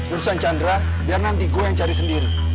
urusan chandra biar nanti gue yang cari sendiri